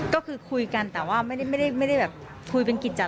ก็คือคุยกันแต่ว่าไม่ได้แบบคุยเป็นกิจจัด